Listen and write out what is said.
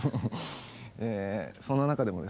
ええそんな中でもですね